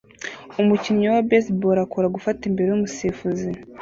Umukinnyi wa Baseball akora gufata imbere yumusifuzi